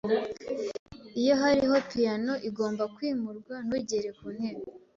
Iyo hariho piyano igomba kwimurwa, ntugere kuntebe.